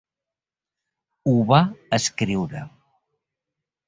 Ho va escriure.